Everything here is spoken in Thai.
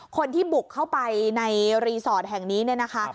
คนที่บุกเข้าไปในรีสอร์ทแห่งนี้เนี่ยนะคะ